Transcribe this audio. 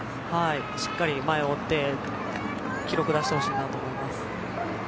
しっかり前を追って記録出してほしいなと思います。